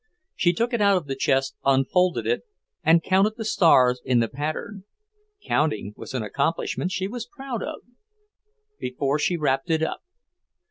She took it out of the chest, unfolded it, and counted the stars in the pattern counting was an accomplishment she was proud of before she wrapped it up.